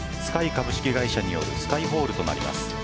Ｓｋｙ株式会社によるＳｋｙホールとなります。